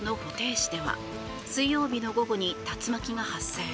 市では水曜日の午後に竜巻が発生。